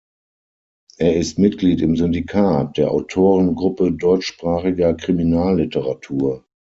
Er ist Mitglied im Syndikat, der Autorengruppe deutschsprachiger Kriminalliteratur.